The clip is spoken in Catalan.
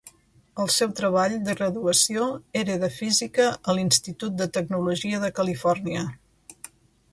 El seu treball de graduació era de física al Institut de Tecnologia de Califòrnia.